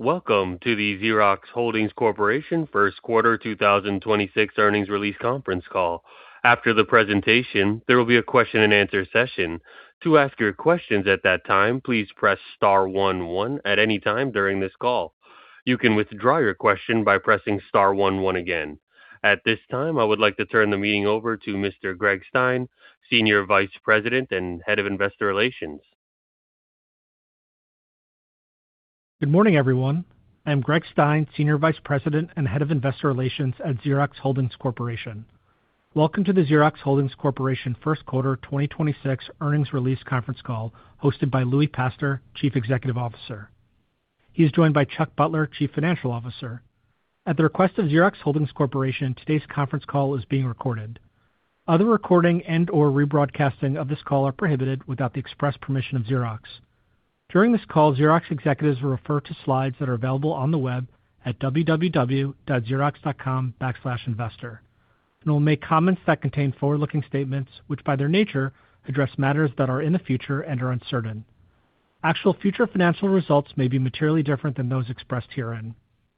Welcome to the Xerox Holdings Corporation First Quarter 2026 Earnings Release Conference Call. After the presentation, there will be a question-and-answer session. To ask your questions at that time, please press star one one at any time during this call. You can withdraw your question by pressing star one one again. At this time, I would like to turn the meeting over to Mr. Greg Stein, Senior Vice President and Head of Investor Relations. Good morning, everyone. I'm Greg Stein, Senior Vice President and Head of Investor Relations at Xerox Holdings Corporation. Welcome to the Xerox Holdings Corporation First Quarter 2026 Earnings Release Conference Call hosted by Louie Pastor, Chief Executive Officer. He is joined by Chuck Butler, Chief Financial Officer. At the request of Xerox Holdings Corporation, today's conference call is being recorded. Other recording and/or rebroadcasting of this call are prohibited without the express permission of Xerox. During this call, Xerox executives will refer to slides that are available on the web at www.xerox.com/investor and will make comments that contain forward-looking statements which, by their nature, address matters that are in the future and are uncertain. Actual future financial results may be materially different than those expressed herein.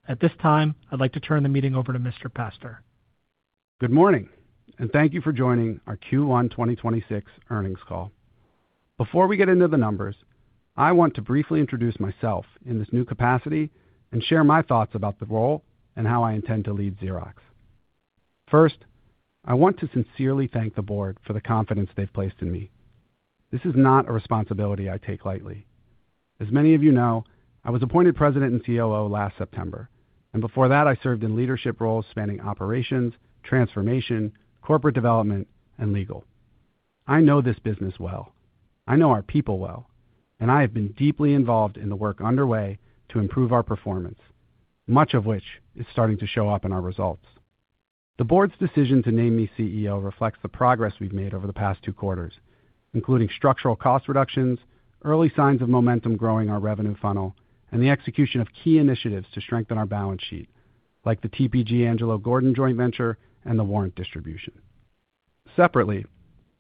At this time, I'd like to turn the meeting over to Mr. Pastor. Good morning. Thank you for joining our Q1 2026 earnings call. Before we get into the numbers, I want to briefly introduce myself in this new capacity and share my thoughts about the role and how I intend to lead Xerox. First, I want to sincerely thank the board for the confidence they've placed in me. This is not a responsibility I take lightly. As many of you know, I was appointed President and COO last September. Before that, I served in leadership roles spanning operations, transformation, corporate development, and legal. I know this business well. I know our people well. I have been deeply involved in the work underway to improve our performance, much of which is starting to show up in our results. The board's decision to name me CEO reflects the progress we've made over the past two quarters, including structural cost reductions, early signs of momentum growing our revenue funnel, and the execution of key initiatives to strengthen our balance sheet, like the TPG Angelo Gordon joint venture and the warrant distribution. Separately,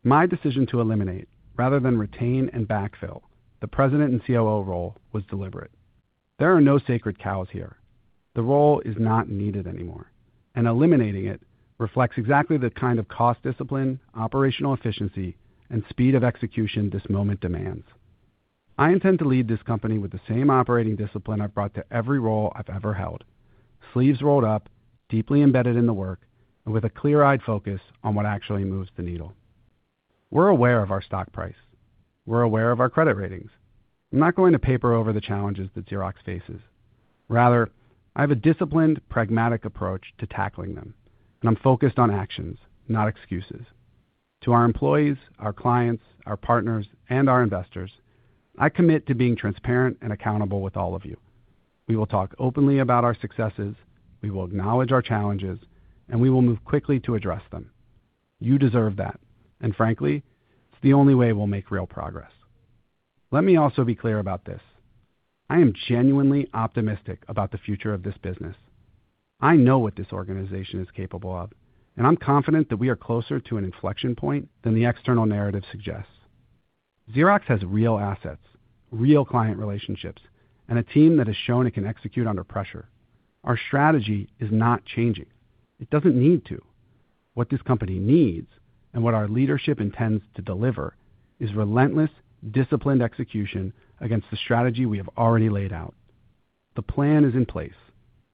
my decision to eliminate rather than retain and backfill the President and COO role was deliberate. There are no sacred cows here. The role is not needed anymore, and eliminating it reflects exactly the kind of cost discipline, operational efficiency, and speed of execution this moment demands. I intend to lead this company with the same operating discipline I've brought to every role I've ever held. Sleeves rolled up, deeply embedded in the work, and with a clear-eyed focus on what actually moves the needle. We're aware of our stock price. We're aware of our credit ratings. I'm not going to paper over the challenges that Xerox faces. Rather, I have a disciplined, pragmatic approach to tackling them, and I'm focused on actions, not excuses. To our employees, our clients, our partners, and our investors, I commit to being transparent and accountable with all of you. We will talk openly about our successes, we will acknowledge our challenges, and we will move quickly to address them. You deserve that, and frankly, it's the only way we'll make real progress. Let me also be clear about this. I am genuinely optimistic about the future of this business. I know what this organization is capable of, and I'm confident that we are closer to an inflection point than the external narrative suggests. Xerox has real assets, real client relationships, and a team that has shown it can execute under pressure. Our strategy is not changing. It doesn't need to. What this company needs and what our leadership intends to deliver is relentless, disciplined execution against the strategy we have already laid out. The plan is in place.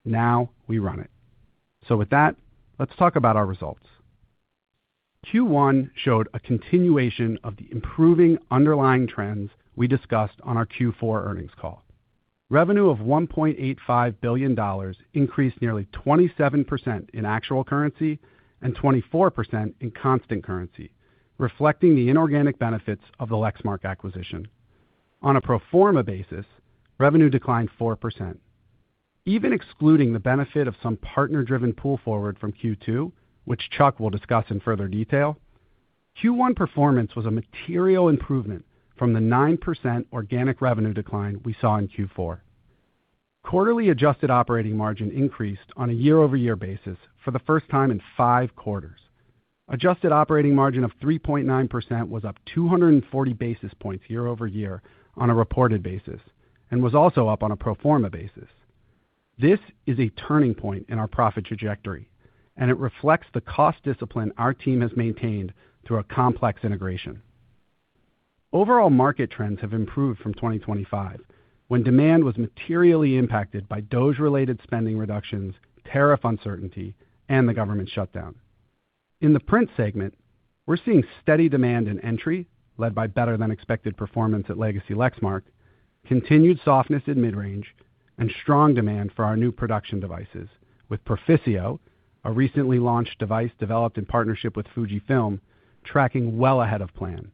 We run it. With that, let's talk about our results. Q1 showed a continuation of the improving underlying trends we discussed on our Q4 earnings call. Revenue of $1.85 billion increased nearly 27% in actual currency and 24% in constant currency, reflecting the inorganic benefits of the Lexmark acquisition. On a pro forma basis, revenue declined 4%. Even excluding the benefit of some partner-driven pull forward from Q2, which Chuck will discuss in further detail, Q1 performance was a material improvement from the 9% organic revenue decline we saw in Q4. Quarterly adjusted operating margin increased on a year-over-year basis for the first time in five quarters. Adjusted operating margin of 3.9% was up 240 basis points year-over-year on a reported basis and was also up on a pro forma basis. This is a turning point in our profit trajectory, and it reflects the cost discipline our team has maintained through a complex integration. Overall market trends have improved from 2025, when demand was materially impacted by DOGE-related spending reductions, tariff uncertainty, and the government shutdown. In the Print segment, we're seeing steady demand in entry, led by better-than-expected performance at Legacy Lexmark, continued softness in mid-range, and strong demand for our new production devices, with Proficio, a recently launched device developed in partnership with Fujifilm, tracking well ahead of plan.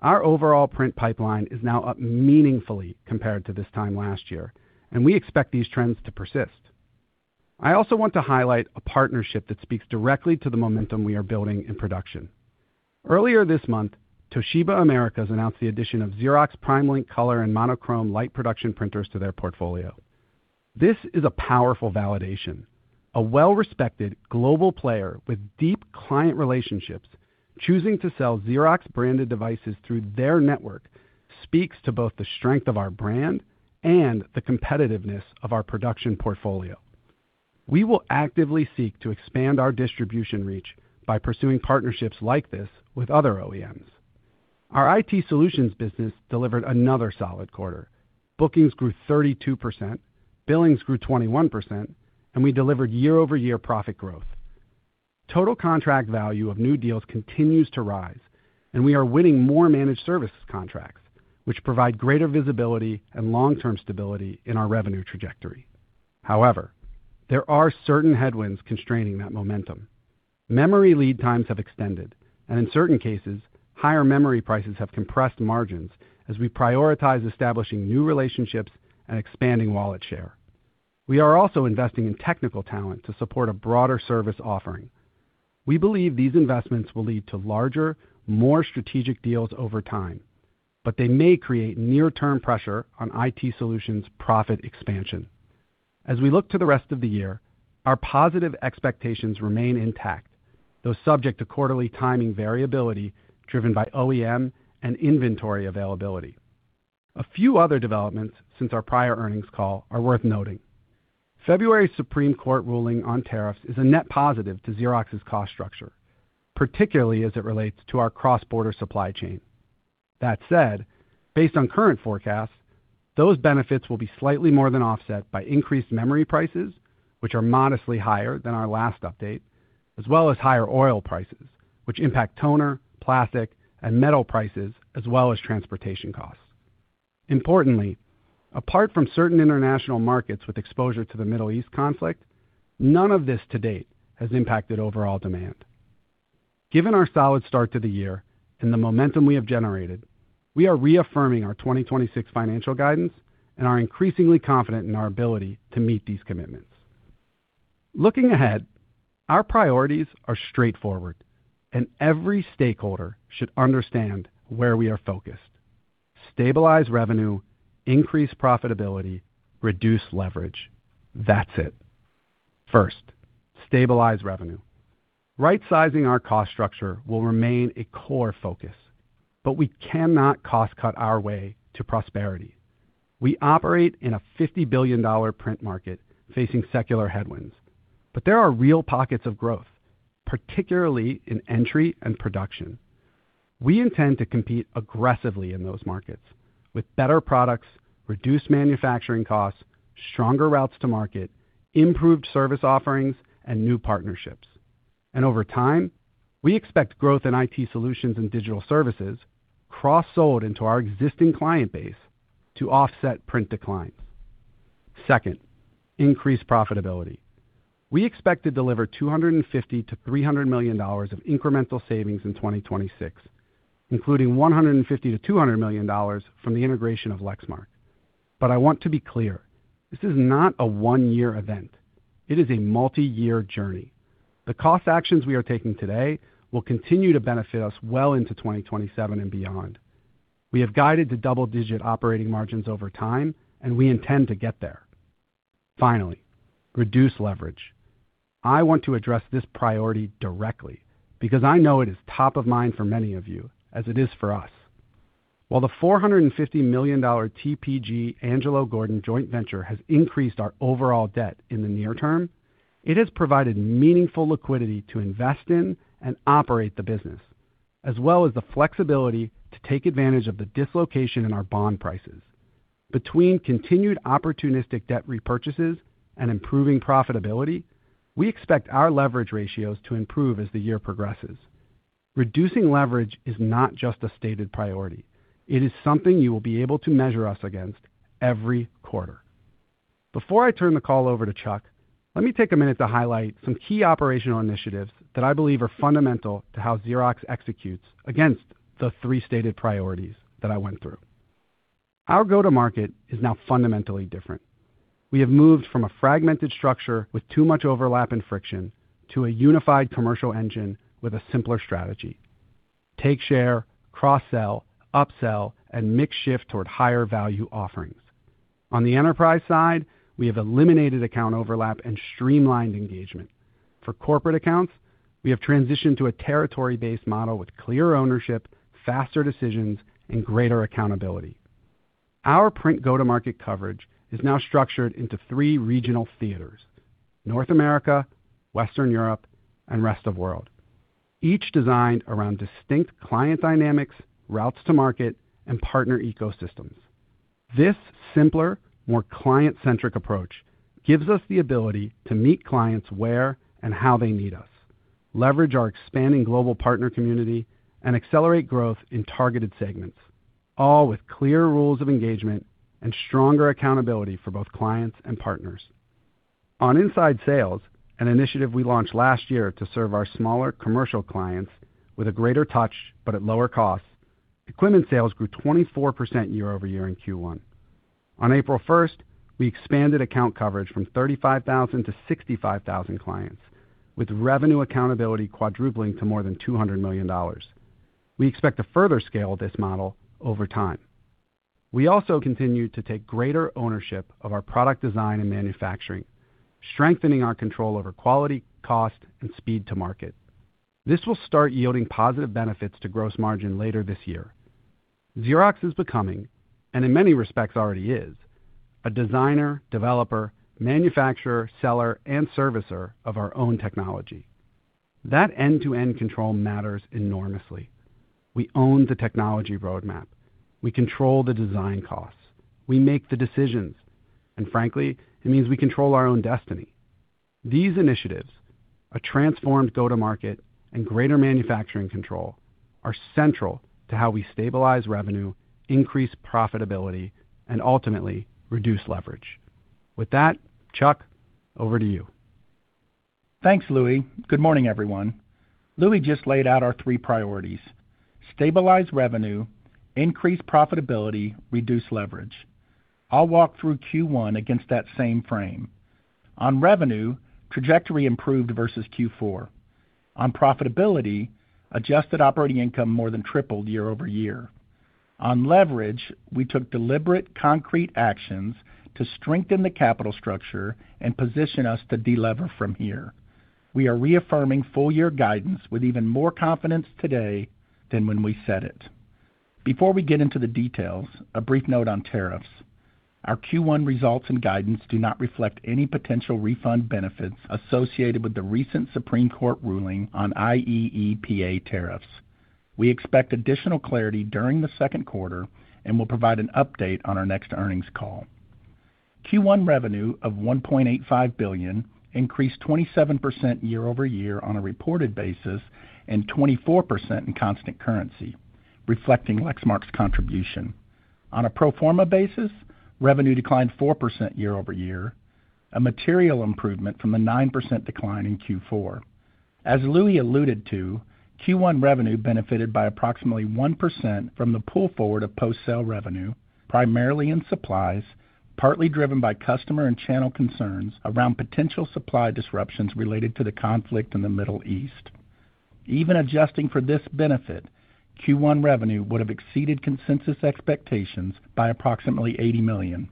Our overall print pipeline is now up meaningfully compared to this time last year, and we expect these trends to persist. I also want to highlight a partnership that speaks directly to the momentum we are building in production. Earlier this month, Toshiba Americas announced the addition of Xerox PrimeLink color and monochrome light production printers to their portfolio. This is a powerful validation. A well-respected global player with deep client relationships choosing to sell Xerox branded devices through their network speaks to both the strength of our brand and the competitiveness of our production portfolio. We will actively seek to expand our distribution reach by pursuing partnerships like this with other OEMs. Our IT solutions business delivered another solid quarter. Bookings grew 32%, billings grew 21%, and we delivered year-over-year profit growth. Total contract value of new deals continues to rise, and we are winning more managed services contracts, which provide greater visibility and long-term stability in our revenue trajectory. There are certain headwinds constraining that momentum. Memory lead times have extended, and in certain cases, higher memory prices have compressed margins as we prioritize establishing new relationships and expanding wallet share. We are also investing in technical talent to support a broader service offering. We believe these investments will lead to larger, more strategic deals over time, but they may create near-term pressure on IT solutions profit expansion. As we look to the rest of the year, our positive expectations remain intact, though subject to quarterly timing variability driven by OEM and inventory availability. A few other developments since our prior earnings call are worth noting. February's Supreme Court ruling on tariffs is a net positive to Xerox's cost structure, particularly as it relates to our cross-border supply chain. That said, based on current forecasts, those benefits will be slightly more than offset by increased memory prices, which are modestly higher than our last update, as well as higher oil prices, which impact toner, plastic, and metal prices, as well as transportation costs. Importantly, apart from certain international markets with exposure to the Middle East conflict, none of this to date has impacted overall demand. Given our solid start to the year and the momentum we have generated, we are reaffirming our 2026 financial guidance and are increasingly confident in our ability to meet these commitments. Looking ahead, our priorities are straightforward, and every stakeholder should understand where we are focused. Stabilize revenue, increase profitability, reduce leverage. That's it. First, stabilize revenue. Right-sizing our cost structure will remain a core focus, we cannot cost cut our way to prosperity. We operate in a $50 billion print market facing secular headwinds, but there are real pockets of growth, particularly in entry and production. We intend to compete aggressively in those markets with better products, reduced manufacturing costs, stronger routes to market, improved service offerings, and new partnerships. Over time, we expect growth in IT solutions and digital services cross-sold into our existing client base to offset print declines. Second, increase profitability. We expect to deliver $250 million-$300 million of incremental savings in 2026, including $150 million-$200 million from the integration of Lexmark. I want to be clear, this is not a one-year event. It is a multi-year journey. The cost actions we are taking today will continue to benefit us well into 2027 and beyond. We have guided to double-digit operating margins over time, and we intend to get there. Finally, reduce leverage. I want to address this priority directly because I know it is top of mind for many of you, as it is for us. While the $450 million TPG Angelo Gordon joint venture has increased our overall debt in the near term, it has provided meaningful liquidity to invest in and operate the business, as well as the flexibility to take advantage of the dislocation in our bond prices. Between continued opportunistic debt repurchases and improving profitability, we expect our leverage ratios to improve as the year progresses. Reducing leverage is not just a stated priority. It is something you will be able to measure us against every quarter. Before I turn the call over to Chuck, let me take a minute to highlight some key operational initiatives that I believe are fundamental to how Xerox executes against the three stated priorities that I went through. Our go-to-market is now fundamentally different. We have moved from a fragmented structure with too much overlap and friction to a unified commercial engine with a simpler strategy. Take share, cross-sell, upsell, and mix shift toward higher value offerings. On the enterprise side, we have eliminated account overlap and streamlined engagement. For corporate accounts, we have transitioned to a territory-based model with clear ownership, faster decisions, and greater accountability. Our print go-to-market coverage is now structured into three regional theaters: North America, Western Europe, and rest of world, each designed around distinct client dynamics, routes to market, and partner ecosystems. This simpler, more client-centric approach gives us the ability to meet clients where and how they need us, leverage our expanding global partner community, and accelerate growth in targeted segments, all with clear rules of engagement and stronger accountability for both clients and partners. On inside sales, an initiative we launched last year to serve our smaller commercial clients with a greater touch but at lower costs, equipment sales grew 24% year-over-year in Q1. On April 1st, we expanded account coverage from 35,000 to 65,000 clients, with revenue accountability quadrupling to more than $200 million. We expect to further scale this model over time. We also continue to take greater ownership of our product design and manufacturing, strengthening our control over quality, cost, and speed to market. This will start yielding positive benefits to gross margin later this year. Xerox is becoming, and in many respects already is, a designer, developer, manufacturer, seller, and servicer of our own technology. That end-to-end control matters enormously. We own the technology roadmap. We control the design costs. We make the decisions, and frankly, it means we control our own destiny. These initiatives, a transformed go-to-market and greater manufacturing control, are central to how we stabilize revenue, increase profitability, and ultimately reduce leverage. With that, Chuck, over to you. Thanks, Louie. Good morning, everyone. Louie just laid out our three priorities: stabilize revenue, increase profitability, reduce leverage. I'll walk through Q1 against that same frame. On revenue, trajectory improved versus Q4. On profitability, adjusted operating income more than tripled year-over-year. On leverage, we took deliberate, concrete actions to strengthen the capital structure and position us to delever from here. We are reaffirming full year guidance with even more confidence today than when we said it. Before we get into the details, a brief note on tariffs. Our Q1 results and guidance do not reflect any potential refund benefits associated with the recent Supreme Court ruling on IEEPA tariffs. We expect additional clarity during the second quarter and will provide an update on our next earnings call. Q1 revenue of $1.85 billion increased 27% year-over-year on a reported basis, and 24% in constant currency, reflecting Lexmark's contribution. On a pro forma basis, revenue declined 4% year-over-year, a material improvement from the 9% decline in Q4. As Louie alluded to, Q1 revenue benefited by approximately 1% from the pull forward of post-sale revenue, primarily in supplies, partly driven by customer and channel concerns around potential supply disruptions related to the conflict in the Middle East. Even adjusting for this benefit, Q1 revenue would have exceeded consensus expectations by approximately $80 million.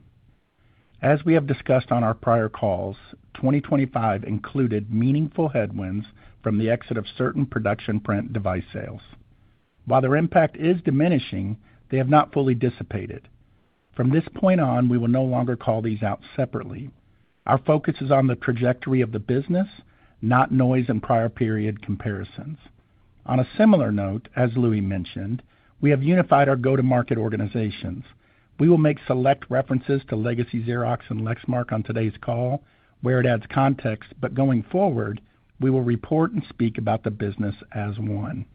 As we have discussed on our prior calls, 2025 included meaningful headwinds from the exit of certain production print device sales. While their impact is diminishing, they have not fully dissipated. From this point on, we will no longer call these out separately. Our focus is on the trajectory of the business, not noise and prior period comparisons. On a similar note, as Louie mentioned, we have unified our go-to-market organizations. We will make select references to legacy Xerox and Lexmark on today's call where it adds context, but going forward, we will report and speak about the business as one.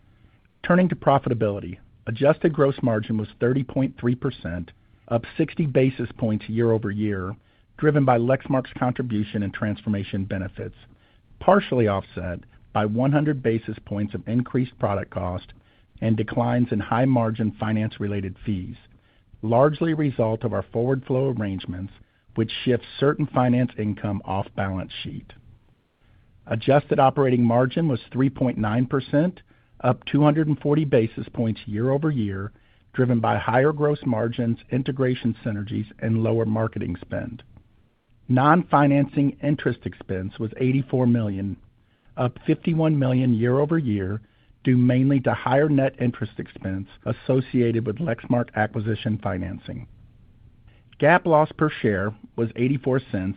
Turning to profitability, adjusted gross margin was 30.3%, up 60 basis points year-over-year, driven by Lexmark's contribution and transformation benefits, partially offset by 100 basis points of increased product cost and declines in high-margin finance-related fees, largely a result of our forward flow arrangements, which shifts certain finance income off balance sheet. Adjusted operating margin was 3.9%, up 240 basis points year-over-year, driven by higher gross margins, integration synergies, and lower marketing spend. Non-financing interest expense was $84 million, up $51 million year-over-year, due mainly to higher net interest expense associated with Lexmark acquisition financing. GAAP loss per share was $0.84,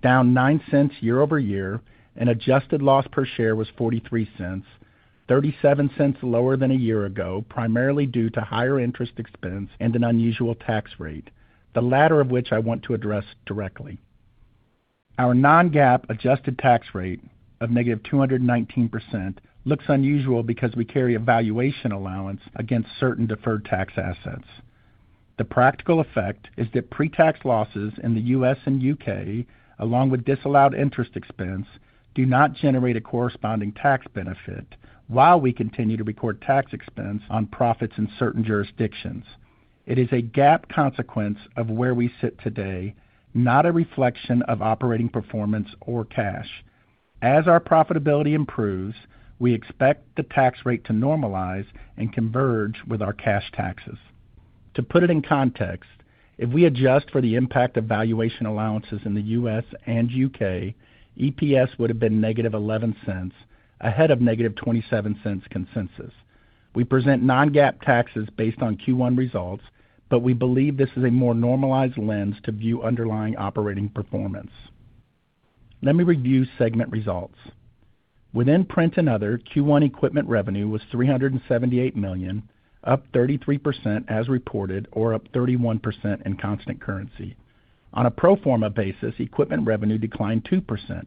down $0.09 year-over-year, and adjusted loss per share was $0.43, $0.37 lower than a year ago, primarily due to higher interest expense and an unusual tax rate, the latter of which I want to address directly. Our non-GAAP adjusted tax rate of -219% looks unusual because we carry a valuation allowance against certain deferred tax assets. The practical effect is that pre-tax losses in the U.S. and U.K., along with disallowed interest expense, do not generate a corresponding tax benefit while we continue to record tax expense on profits in certain jurisdictions. It is a GAAP consequence of where we sit today, not a reflection of operating performance or cash. As our profitability improves, we expect the tax rate to normalize and converge with our cash taxes. To put it in context, if we adjust for the impact of valuation allowances in the U.S. and U.K., EPS would have been -$0.11, ahead of -$0.27 consensus. We present non-GAAP taxes based on Q1 results, we believe this is a more normalized lens to view underlying operating performance. Let me review segment results. Within Print and Other, Q1 equipment revenue was $378 million, up 33% as reported or up 31% in constant currency. On a pro forma basis, equipment revenue declined 2%,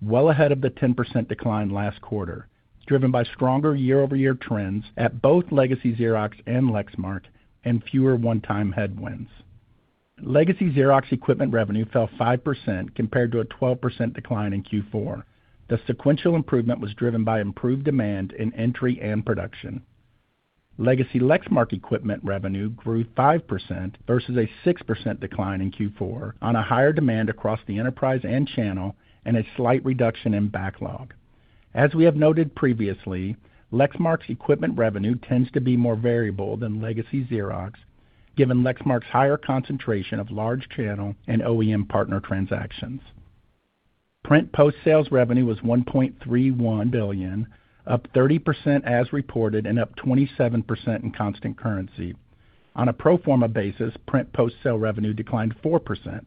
well ahead of the 10% decline last quarter, driven by stronger year-over-year trends at both legacy Xerox and Lexmark and fewer one-time headwinds. Legacy Xerox equipment revenue fell 5% compared to a 12% decline in Q4. The sequential improvement was driven by improved demand in entry and production. Legacy Lexmark equipment revenue grew 5% versus a 6% decline in Q4 on a higher demand across the enterprise and channel and a slight reduction in backlog. As we have noted previously, Lexmark's equipment revenue tends to be more variable than legacy Xerox, given Lexmark's higher concentration of large channel and OEM partner transactions. Print post-sales revenue was $1.31 billion, up 30% as reported and up 27% in constant currency. On a pro forma basis, print post-sale revenue declined 4%,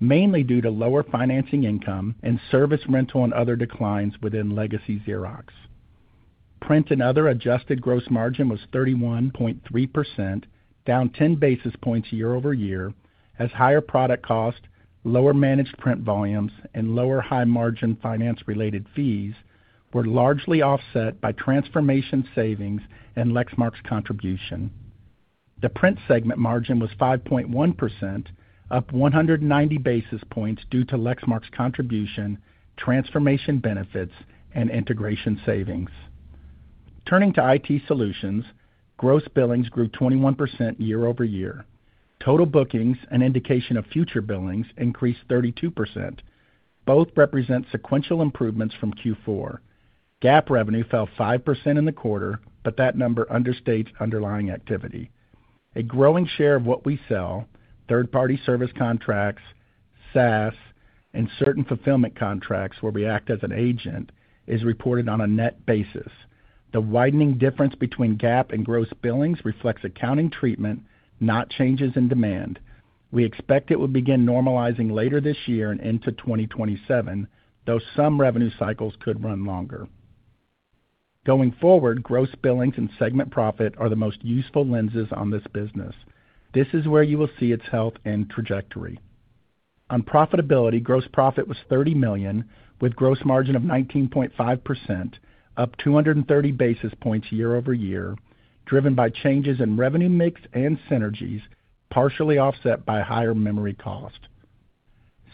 mainly due to lower financing income and service rental and other declines within legacy Xerox. Print and Other adjusted gross margin was 31.3%, down 10 basis points year-over-year, as higher product cost, lower managed print volumes, and lower high-margin finance-related fees were largely offset by transformation savings and Lexmark's contribution. The print segment margin was 5.1%, up 190 basis points due to Lexmark's contribution, transformation benefits, and integration savings. Turning to IT solutions, gross billings grew 21% year-over-year. Total bookings, an indication of future billings, increased 32%. Both represent sequential improvements from Q4. GAAP revenue fell 5% in the quarter, but that number understates underlying activity. A growing share of what we sell, third-party service contracts, SaaS, and certain fulfillment contracts where we act as an agent, is reported on a net basis. The widening difference between GAAP and gross billings reflects accounting treatment, not changes in demand. We expect it will begin normalizing later this year and into 2027, though some revenue cycles could run longer. Going forward, gross billings and segment profit are the most useful lenses on this business. This is where you will see its health and trajectory. On profitability, gross profit was $30 million, with gross margin of 19.5%, up 230 basis points year-over-year, driven by changes in revenue mix and synergies, partially offset by higher memory cost.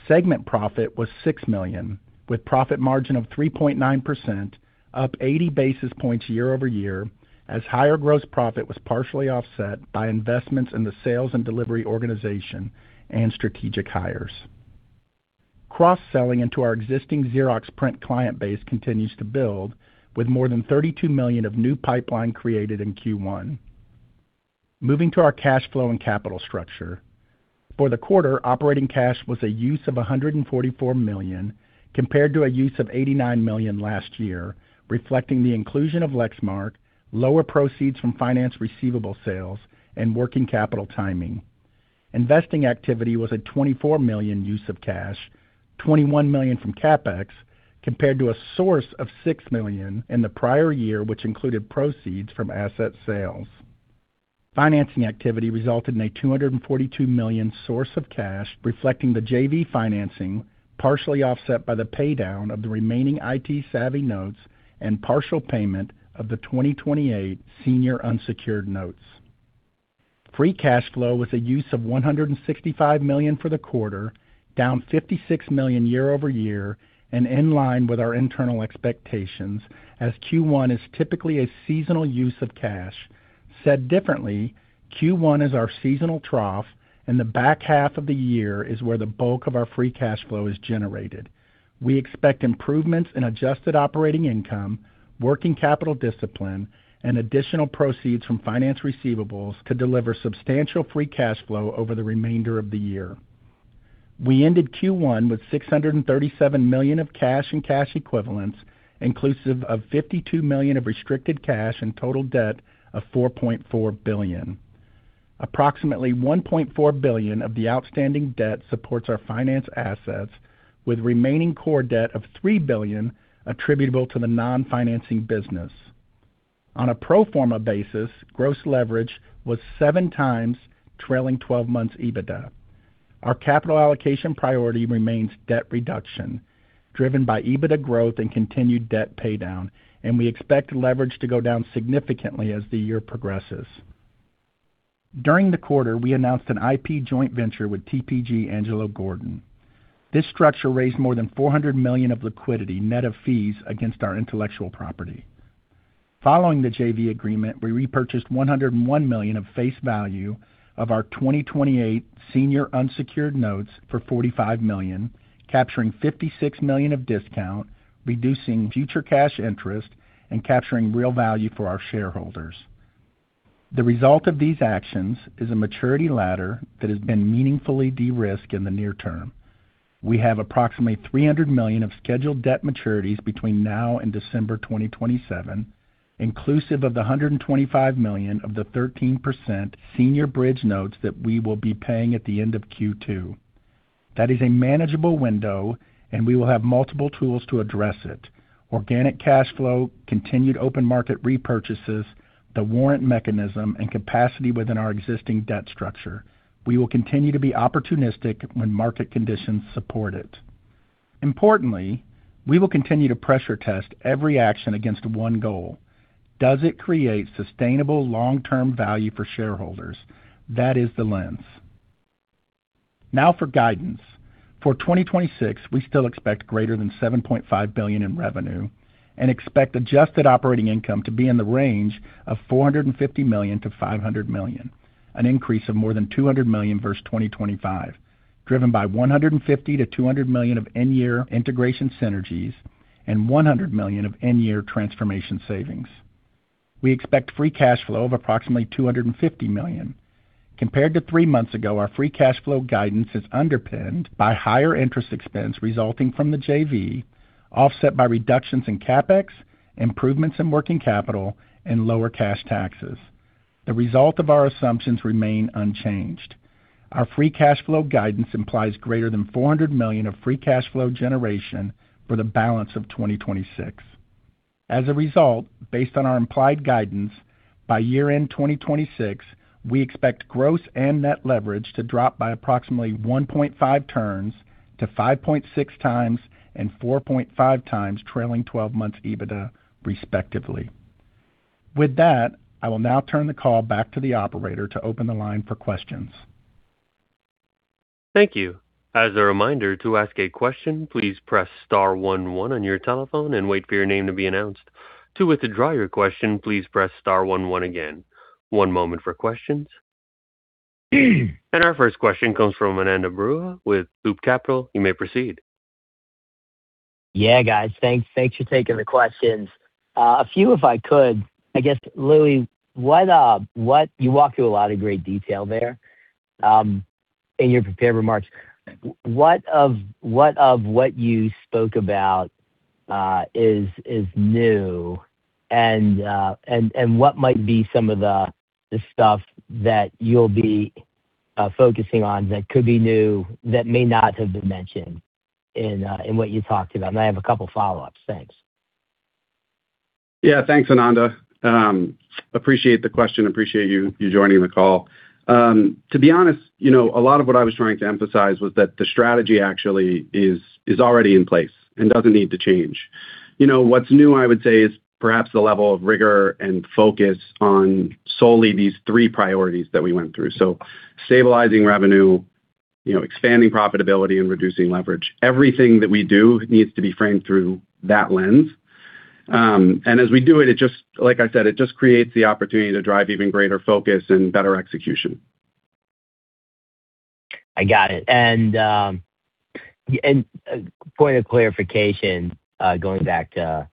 Segment profit was $6 million, with profit margin of 3.9%, up 80 basis points year-over-year, as higher gross profit was partially offset by investments in the sales and delivery organization and strategic hires. Cross-selling into our existing Xerox print client base continues to build, with more than $32 million of new pipeline created in Q1. Moving to our cash flow and capital structure. For the quarter, operating cash was a use of $144 million, compared to a use of $89 million last year, reflecting the inclusion of Lexmark, lower proceeds from finance receivable sales, and working capital timing. Investing activity was a $24 million use of cash, $21 million from CapEx, compared to a source of $6 million in the prior year, which included proceeds from asset sales. Financing activity resulted in a $242 million source of cash, reflecting the JV financing, partially offset by the paydown of the remaining IT savvy notes and partial payment of the 2028 senior unsecured notes. Free cash flow was a use of $165 million for the quarter, down $56 million year-over-year, and in line with our internal expectations, as Q1 is typically a seasonal use of cash. Said differently, Q1 is our seasonal trough, and the back half of the year is where the bulk of our free cash flow is generated. We expect improvements in adjusted operating income, working capital discipline, and additional proceeds from finance receivables to deliver substantial free cash flow over the remainder of the year. We ended Q1 with $637 million of cash and cash equivalents, inclusive of $52 million of restricted cash and total debt of $4.4 billion. Approximately $1.4 billion of the outstanding debt supports our finance assets, with remaining core debt of $3 billion attributable to the non-financing business. On a pro forma basis, gross leverage was 7x trailing twelve months EBITDA. Our capital allocation priority remains debt reduction, driven by EBITDA growth and continued debt paydown. We expect leverage to go down significantly as the year progresses. During the quarter, we announced an IP joint venture with TPG Angelo Gordon. This structure raised more than $400 million of liquidity, net of fees, against our intellectual property. Following the JV agreement, we repurchased $101 million of face value of our 2028 senior unsecured notes for $45 million, capturing $56 million of discount, reducing future cash interest, and capturing real value for our shareholders. The result of these actions is a maturity ladder that has been meaningfully de-risked in the near term. We have approximately $300 million of scheduled debt maturities between now and December 2027, inclusive of the $125 million of the 13% senior bridge notes that we will be paying at the end of Q2. That is a manageable window, and we will have multiple tools to address it. Organic cash flow, continued open market repurchases, the warrant mechanism, and capacity within our existing debt structure. We will continue to be opportunistic when market conditions support it. Importantly, we will continue to pressure test every action against one goal. Does it create sustainable long-term value for shareholders? That is the lens. For guidance. For 2026, we still expect greater than $7.5 billion in revenue and expect adjusted operating income to be in the range of $450 million-$500 million. An increase of more than $200 million versus 2025, driven by $150 million-$200 million of in-year integration synergies and $100 million of in-year transformation savings. We expect free cash flow of approximately $250 million. Compared to three months ago, our free cash flow guidance is underpinned by higher interest expense resulting from the JV, offset by reductions in CapEx, improvements in working capital, and lower cash taxes. The result of our assumptions remain unchanged. Our free cash flow guidance implies greater than $400 million of free cash flow generation for the balance of 2026. As a result, based on our implied guidance, by year-end 2026, we expect gross and net leverage to drop by approximately 1.5 turns to 5.6x and 4.5x trailing twelve months EBITDA respectively. With that, I will now turn the call back to the operator to open the line for questions. Thank you. As a reminder, to ask a question, please press star one one on your telephone and wait for your name to be announce. To withdraw your question, please press star one one again. One moment for questions. Our first question comes from Ananda Baruah with Loop Capital. You may proceed. Yeah, guys. Thanks. Thanks for taking the questions. A few if I could. I guess, Louie, you walk through a lot of great detail there in your prepared remarks. What of what you spoke about is new and what might be some of the stuff that you'll be focusing on that could be new that may not have been mentioned in what you talked about? I have a couple of follow-ups. Thanks. Yeah. Thanks, Ananda. Appreciate the question. Appreciate you joining the call. To be honest, you know, a lot of what I was trying to emphasize was that the strategy actually is already in place and doesn't need to change. You know, what's new, I would say, is perhaps the level of rigor and focus on solely these three priorities that we went through. Stabilizing revenue, you know, expanding profitability and reducing leverage. Everything that we do needs to be framed through that lens. As we do it just like I said, creates the opportunity to drive even greater focus and better execution. I got it. Point of clarification, going back to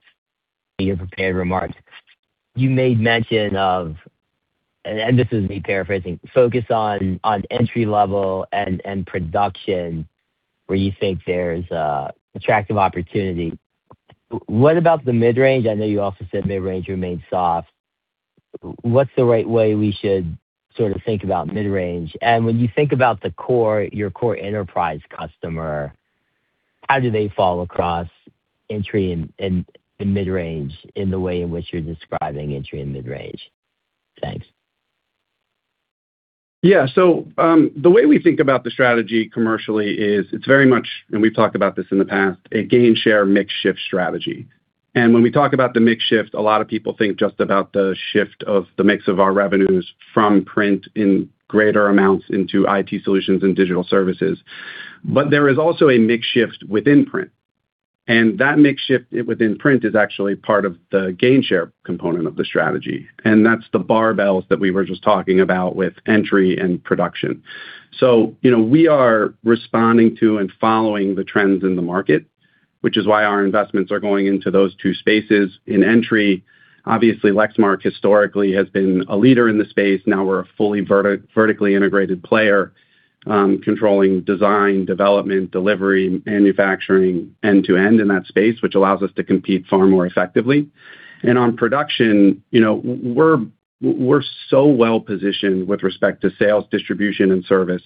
your prepared remarks. You made mention of, and this is me paraphrasing, focus on entry level and production where you think there's an attractive opportunity. What about the mid-range? I know you also said mid-range remains soft. What's the right way we should sort of think about mid-range? When you think about the core, your core enterprise customer, how do they fall across entry and mid-range in the way in which you're describing entry and mid-range? Thanks. Yeah. The way we think about the strategy commercially is it's very much, and we've talked about this in the past, a gain share mix shift strategy. When we talk about the mix shift, a lot of people think just about the shift of the mix of our revenues from print in greater amounts into IT solutions and digital services. There is also a mix shift within print, and that mix shift within print is actually part of the gain share component of the strategy, and that's the barbells that we were just talking about with entry and production. You know, we are responding to and following the trends in the market, which is why our investments are going into those two spaces. In entry, obviously, Lexmark historically has been a leader in the space. We're a fully vertically integrated player, controlling design, development, delivery, manufacturing end-to-end in that space, which allows us to compete far more effectively. On production, you know, we're so well-positioned with respect to sales, distribution, and service.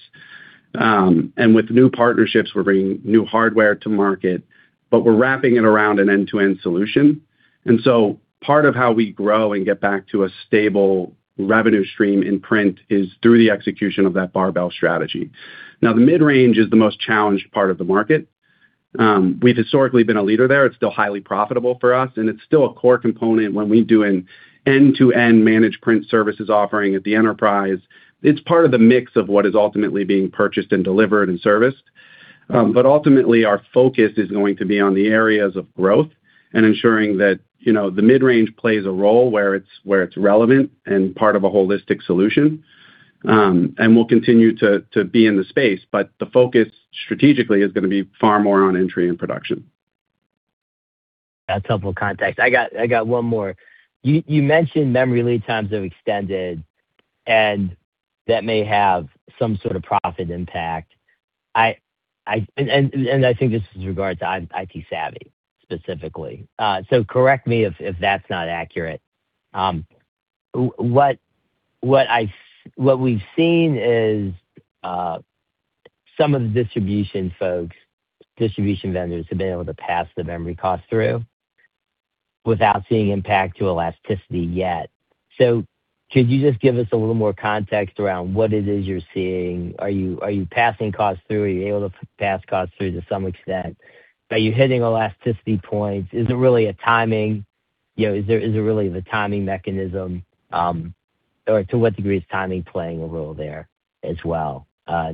With new partnerships, we're bringing new hardware to market, but we're wrapping it around an end-to-end solution. Part of how we grow and get back to a stable revenue stream in print is through the execution of that barbell strategy. The mid-range is the most challenged part of the market. We've historically been a leader there. It's still highly profitable for us, and it's still a core component when we do an end-to-end managed print services offering at the enterprise. It's part of the mix of what is ultimately being purchased and delivered and serviced. Ultimately, our focus is going to be on the areas of growth and ensuring that, you know, the mid-range plays a role where it's relevant and part of a holistic solution. We'll continue to be in the space, but the focus strategically is gonna be far more on entry and production. That's helpful context. I got one more. You mentioned memory lead times have extended, and that may have some sort of profit impact. I think this is regards to IT savvy specifically. Correct me if that's not accurate. What we've seen is, some of the distribution folks, distribution vendors have been able to pass the memory cost through without seeing impact to elasticity yet. Could you just give us a little more context around what it is you're seeing? Are you passing costs through? Are you able to pass costs through to some extent? Are you hitting elasticity points? Is it really a timing? You know, is there really the timing mechanism, or to what degree is timing playing a role there as well?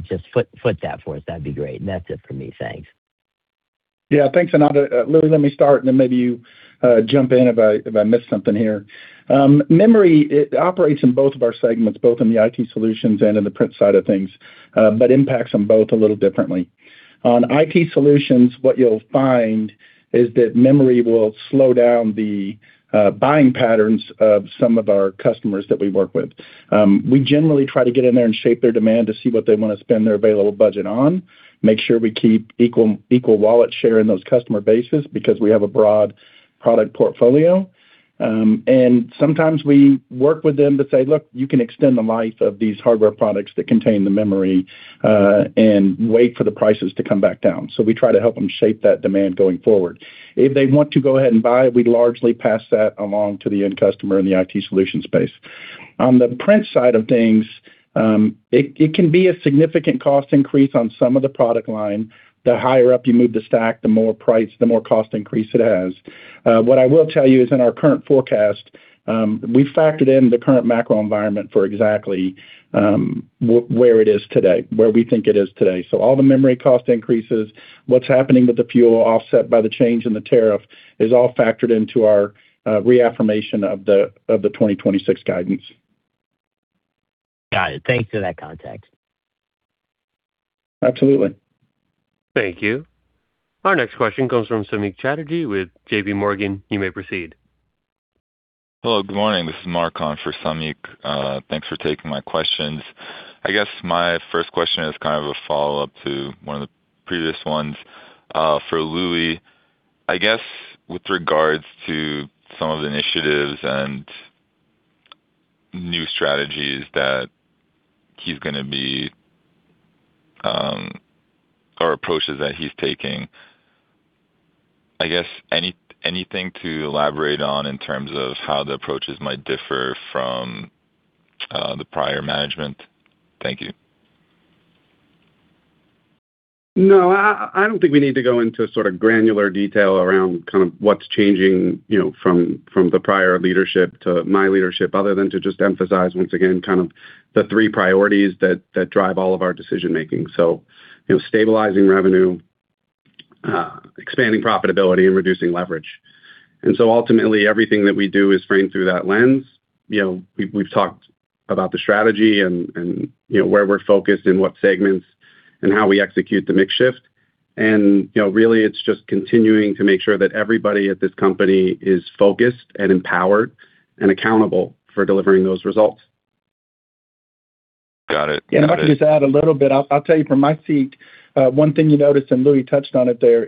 Just foot that for us. That'd be great. That's it for me. Thanks. Yeah. Thanks, Ananda. Louie, let me start and then maybe you jump in if I miss something here. Memory, it operates in both of our segments, both in the IT solutions and in the print side of things, impacts them both a little differently. On IT solutions, what you'll find is that memory will slow down the buying patterns of some of our customers that we work with. We generally try to get in there and shape their demand to see what they wanna spend their available budget on, make sure we keep equal wallet share in those customer bases because we have a broad product portfolio. Sometimes we work with them to say, "Look, you can extend the life of these hardware products that contain the memory, and wait for the prices to come back down." We try to help them shape that demand going forward. If they want to go ahead and buy it, we largely pass that along to the end customer in the IT solutions space. On the print side of things, it can be a significant cost increase on some of the product line. The higher up you move the stack, the more cost increase it has. What I will tell you is in our current forecast, we factored in the current macro environment for exactly where it is today, where we think it is today. All the memory cost increases, what's happening with the fuel offset by the change in the tariff is all factored into our reaffirmation of the 2026 guidance. Got it. Thanks for that context. Absolutely. Thank you. Our next question comes from Samik Chatterjee with JPMorgan. You may proceed. Hello, good morning. This is Mark on for Samik. Thanks for taking my questions. I guess my first question is kind of a follow-up to one of the previous ones. For Louie, I guess with regards to some of the initiatives and new strategies that he's gonna be or approaches that he's taking, I guess any, anything to elaborate on in terms of how the approaches might differ from the prior management? Thank you. No, I don't think we need to go into sort of granular detail around kind of what's changing, you know, from the prior leadership to my leadership, other than to just emphasize once again, kind of the three priorities that drive all of our decision-making. You know, stabilizing revenue, expanding profitability and reducing leverage. Ultimately, everything that we do is framed through that lens. You know, we've talked about the strategy and, you know, where we're focused and what segments and how we execute the mix shift. You know, really it's just continuing to make sure that everybody at this company is focused and empowered and accountable for delivering those results. Got it. Got it. If I could just add a little bit. I'll tell you from my seat, one thing you noticed, and Louie touched on it there,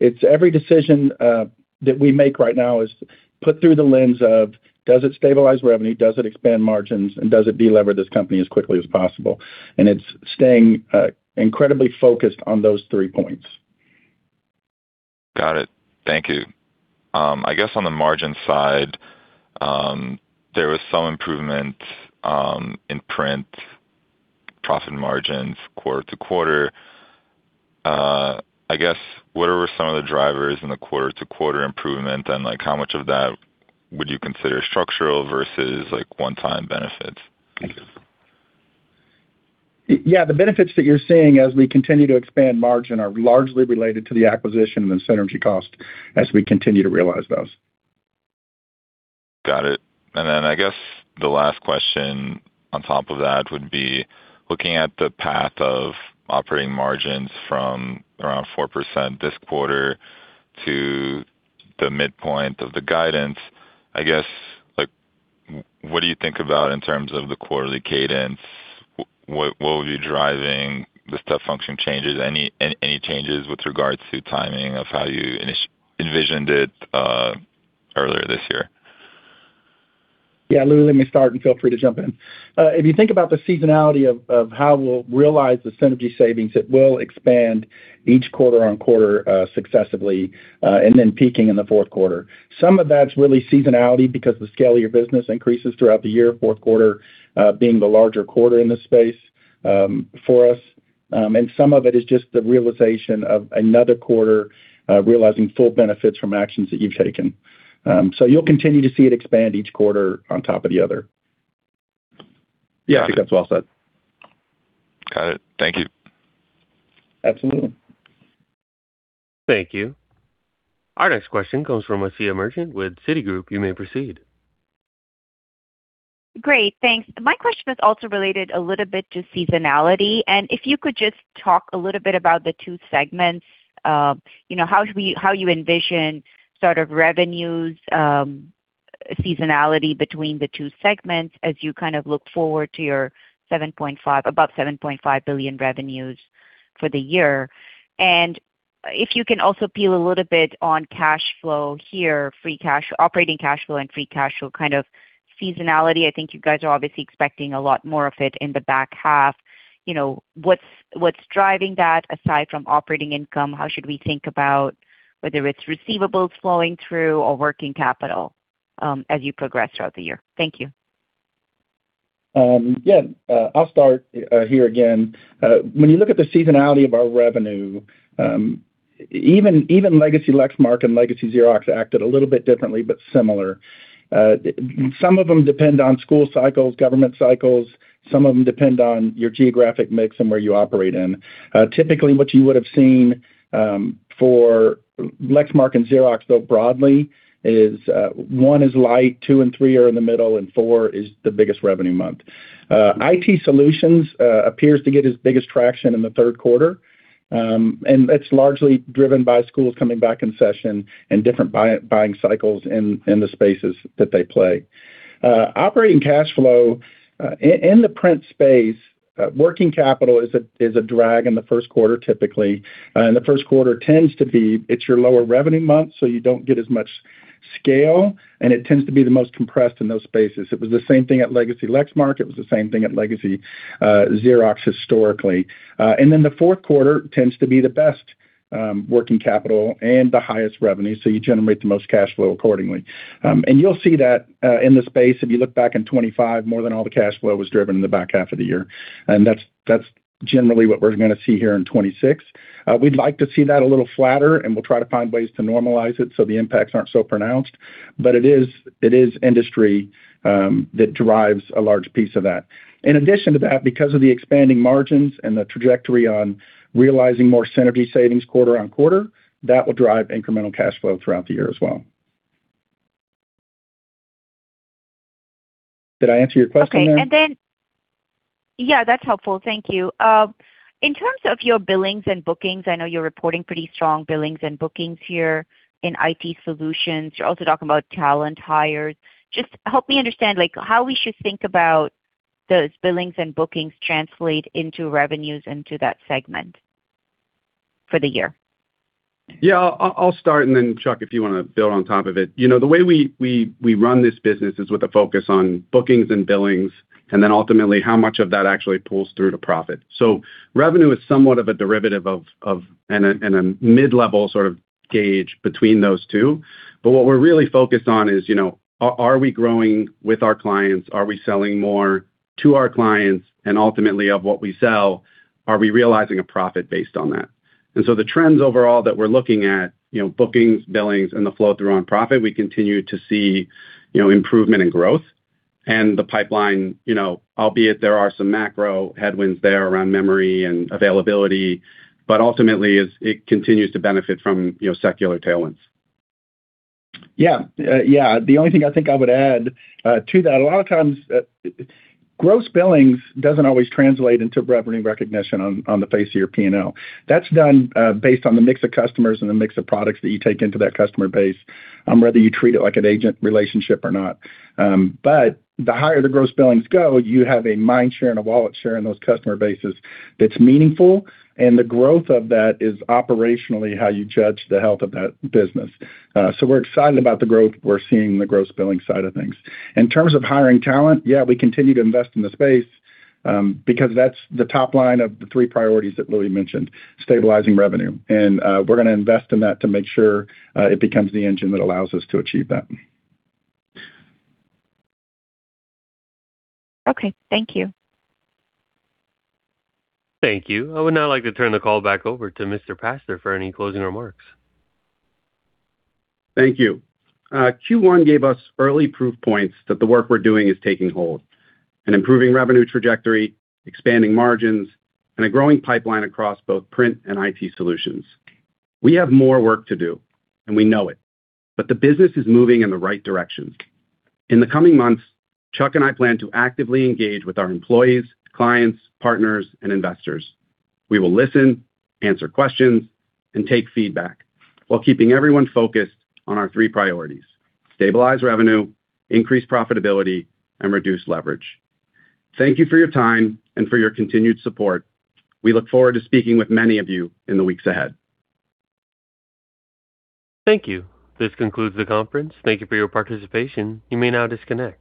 it's every decision that we make right now is put through the lens of does it stabilize revenue, does it expand margins, and does it de-lever this company as quickly as possible? It's staying incredibly focused on those three points. Got it. Thank you. I guess on the margin side, there was some improvement in print profit margins quarter-to-quarter. I guess what are some of the drivers in the quarter-to-quarter improvement, and, like, how much of that would you consider structural versus, like, one-time benefits? Thank you. The benefits that you're seeing as we continue to expand margin are largely related to the acquisition and the synergy cost as we continue to realize those. Got it. I guess the last question on top of that would be looking at the path of operating margins from around 4% this quarter to the midpoint of the guidance. I guess, like, what do you think about in terms of the quarterly cadence? What would be driving the step function changes? Any changes with regards to timing of how you envisioned it earlier this year? Louie, let me start, and feel free to jump in. If you think about the seasonality of how we'll realize the synergy savings, it will expand each quarter on quarter, successively, and then peaking in the fourth quarter. Some of that's really seasonality because the scale of your business increases throughout the year, fourth quarter, being the larger quarter in this space, for us. Some of it is just the realization of another quarter, realizing full benefits from actions that you've taken. You'll continue to see it expand each quarter on top of the other. Yeah, I think that's well said. Got it. Thank you. Absolutely. Thank you. Our next question comes from Asiya Merchant with Citigroup. You may proceed. Great. Thanks. My question is also related a little bit to seasonality, and if you could just talk a little bit about the two segments, you know, how you envision sort of revenues, seasonality between the two segments as you kind of look forward to your 7.5, above $7.5 billion revenues for the year. If you can also peel a little bit on cash flow here, operating cash flow and free cash flow kind of seasonality. I think you guys are obviously expecting a lot more of it in the back half. You know, what's driving that aside from operating income? How should we think about whether it's receivables flowing through or working capital, as you progress throughout the year? Thank you. I'll start here again. When you look at the seasonality of our revenue, even legacy Lexmark and legacy Xerox acted a little bit differently but similar. Some of them depend on school cycles, government cycles, some of them depend on your geographic mix and where you operate in. Typically, what you would've seen for Lexmark and Xerox, though broadly, is, one is light, two and three are in the middle, and four is the biggest revenue month. IT solutions appears to get its biggest traction in the third quarter. That's largely driven by schools coming back in session and different buying cycles in the spaces that they play. Operating cash flow in the print space, working capital is a drag in the first quarter typically. The 1st quarter tends to be it's your lower revenue month, so you don't get as much scale, and it tends to be the most compressed in those spaces. It was the same thing at legacy Lexmark. It was the same thing at legacy Xerox historically. The 4th quarter tends to be the best working capital and the highest revenue, so you generate the most cash flow accordingly. You'll see that in the space. If you look back in 2025, more than all the cash flow was driven in the back half of the year, and that's generally what we're gonna see here in 2026. We'd like to see that a little flatter, and we'll try to find ways to normalize it so the impacts aren't so pronounced. It is industry that drives a large piece of that. In addition to that, because of the expanding margins and the trajectory on realizing more synergy savings quarter on quarter, that will drive incremental cash flow throughout the year as well. Did I answer your question, ma'am? Okay. Yeah, that's helpful. Thank you. In terms of your billings and bookings, I know you're reporting pretty strong billings and bookings here in IT solutions. You're also talking about talent hires. Just help me understand, like, how we should think about those billings and bookings translate into revenues into that segment for the year. Yeah. I'll start and then, Chuck, if you wanna build on top of it. You know, the way we run this business is with a focus on bookings and billings and then ultimately how much of that actually pulls through to profit. Revenue is somewhat of a derivative of and a mid-level sort of gauge between those two. What we're really focused on is, you know, are we growing with our clients? Are we selling more to our clients? Ultimately, of what we sell, are we realizing a profit based on that? The trends overall that we're looking at, you know, bookings, billings, and the flow through on profit, we continue to see, you know, improvement and growth. The pipeline, you know, albeit there are some macro headwinds there around memory and availability, but ultimately is it continues to benefit from, you know, secular tailwinds. The only thing I think I would add to that, a lot of times, gross billings doesn't always translate into revenue recognition on the face of your P&L. That's done based on the mix of customers and the mix of products that you take into that customer base, whether you treat it like an agent relationship or not. The higher the gross billings go, you have a mind share and a wallet share in those customer bases that's meaningful, and the growth of that is operationally how you judge the health of that business. We're excited about the growth we're seeing in the gross billing side of things. In terms of hiring talent, we continue to invest in the space, because that's the top line of the three priorities that Louie mentioned, stabilizing revenue. We're gonna invest in that to make sure it becomes the engine that allows us to achieve that. Okay. Thank you. Thank you. I would now like to turn the call back over to Mr. Pastor for any closing remarks. Thank you. Q1 gave us early proof points that the work we're doing is taking hold, an improving revenue trajectory, expanding margins, and a growing pipeline across both print and IT solutions. We have more work to do, and we know it, but the business is moving in the right direction. In the coming months, Chuck and I plan to actively engage with our employees, clients, partners, and investors. We will listen, answer questions, and take feedback while keeping everyone focused on our three priorities: stabilize revenue, increase profitability, and reduce leverage. Thank you for your time and for your continued support. We look forward to speaking with many of you in the weeks ahead. Thank you. This concludes the conference. Thank you for your participation. You may now disconnect.